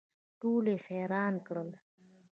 ټول یې حیران کړل.